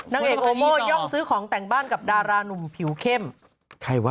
นางเอกโอโม่ย่องซื้อของแต่งบ้านกับดารานุ่มผิวเข้มใครวะ